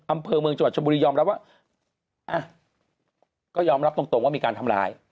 อำเภอเมืองจังหวัดชมบุรียอมรับว่าอ่ะก็ยอมรับตรงว่ามีการทำร้าย